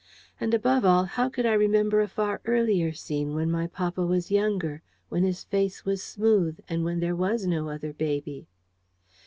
And, above all, how could I remember a far earlier scene, when my papa was younger, when his face was smooth, and when there was no other baby?